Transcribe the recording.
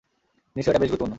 নিশ্চয়ই এটা বেশ গুরুত্বপূর্ণ।